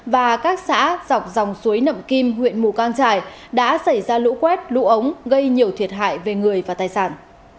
và các xã dọc dòng suối nậm kim huyện mù căng trải đã xảy ra lũ quét lũ ống gây nhiều thiệt hại về người và tài sản